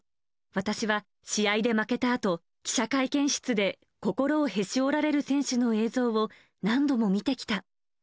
私は試合で負けたあと、記者会見室で心をへし折られる選手の映像を何度も見てきた。